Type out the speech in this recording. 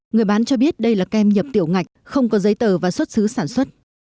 người bán cho biết đây là kem nhập tiểu ngạch không có giấy tờ và xuất xứ sản xuất